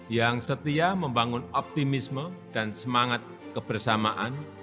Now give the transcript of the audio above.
yang setia membangun optimisme dan semangat kebersamaan